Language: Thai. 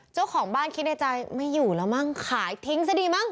เจ้าของบ้านคิดในใจไม่อยู่แล้วมั้งขายทิ้งซะดีมั้